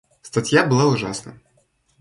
Статья была ужасна.